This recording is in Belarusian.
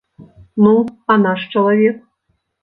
Ну, а наш чалавек?